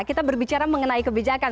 kita berbicara mengenai kebijakan